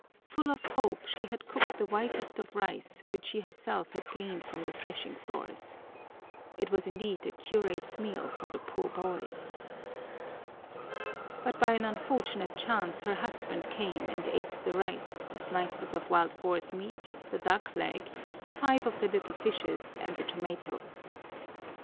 Full of hope, she had cooked the whitest of rice, which she herself had gleaned from the threshing floors. It was indeed a curate's meal for the poor boys. But by an unfortunate chance her husband came and ate the rice, the slices of wild boar's meat, the duck leg, five of the little fishes, and the tomatoes.